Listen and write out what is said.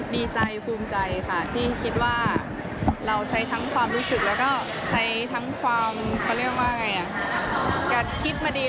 ดีใจภูมิใจค่ะที่คิดว่าเราใช้ทั้งความรู้สึก